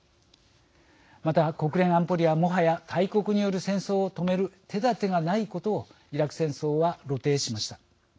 また、国連安保理はもはや大国による戦争を止める手だてがないことをイラク戦争は露呈しました。